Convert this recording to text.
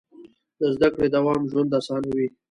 د زده کړې دوام ژوند اسانوي.